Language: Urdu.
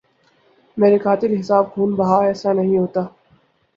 مرے قاتل حساب خوں بہا ایسے نہیں ہوتا